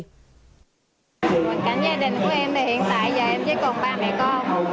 hoàn cảnh gia đình của em hiện tại giờ em chỉ còn ba mẹ con